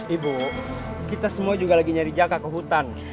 ibu kita semua juga lagi nyari jaka ke hutan